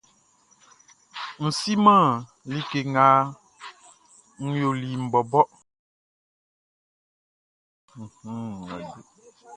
N siman like nga n yoliʼn bɔbɔ.